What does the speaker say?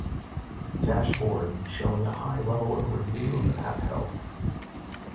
Dashboard showing a high level overview of app health